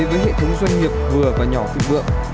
với hệ thống doanh nghiệp vừa và nhỏ thịnh vượng